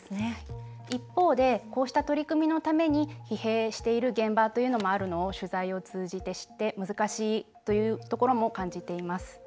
一方でこうした取り組みのために疲弊している現場というのもあるのを、取材を通じて知って難しいというところも感じています。